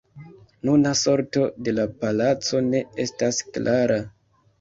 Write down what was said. Nuna sorto de la palaco ne estas klara.